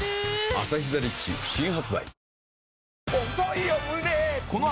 アサヒザ・リッチ」新発売